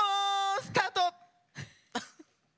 スタート！